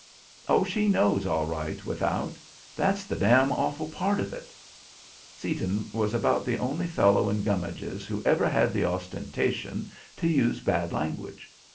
"Oh, she knows all right, without; that's the dam awful part of it." Seaton was about the only fellow at Gummidge's who ever had the ostentation to use bad language.